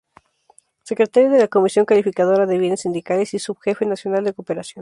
Secretario de la Comisión Calificadora de Bienes Sindicales, y subjefe nacional de Cooperación.